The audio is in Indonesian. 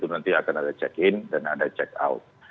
nanti akan ada check in dan ada check out